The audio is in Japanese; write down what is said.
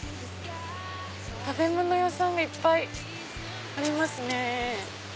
食べ物屋さんがいっぱいありますね。